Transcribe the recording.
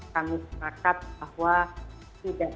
kami berpikir bahwa tidak ada